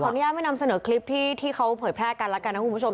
อนุญาตไม่นำเสนอคลิปที่เขาเผยแพร่กันแล้วกันนะคุณผู้ชม